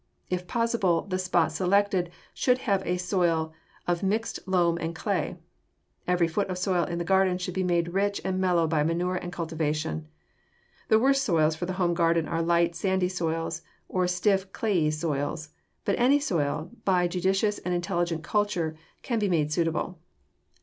If possible, the spot selected should have a soil of mixed loam and clay. Every foot of soil in the garden should be made rich and mellow by manure and cultivation. The worst soils for the home garden are light, sandy soils, or stiff, clayey soils; but any soil, by judicious and intelligent culture, can be made suitable.